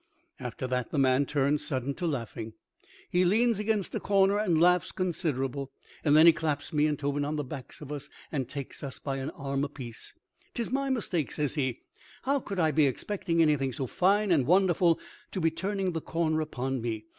After that the man turns, sudden, to laughing. He leans against a corner and laughs considerable. Then he claps me and Tobin on the backs of us and takes us by an arm apiece. "'Tis my mistake," says he. "How could I be expecting anything so fine and wonderful to be turning the corner upon me?